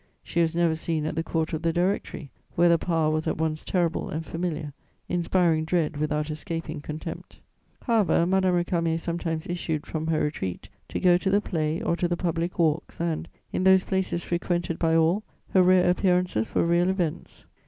She was never seen at the Court of the Directory, where the power was at once terrible and familiar, inspiring dread without escaping contempt. "However, Madame Récamier sometimes issued from her retreat to go to the play or to the public walks and, in those places frequented by all, her rare appearances were real events.